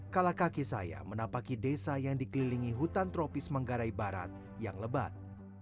kalakaki saya menapaki desa yang dikelilingi hutan tropis manggara ibarat yang lebat